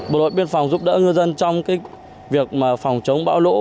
bộ đội biên phòng giúp đỡ ngư dân trong việc phòng chống bão lũ